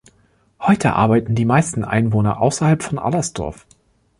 Heute arbeiten die meisten Einwohner außerhalb von Allersdorf.